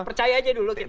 percaya aja dulu kita